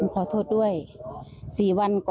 ขอโทษด้วย๔วัน